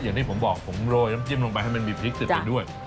อย่างที่ผมบอกผมโรยน้ำจิ้มลงไปให้มันมีพริกติดไปด้วย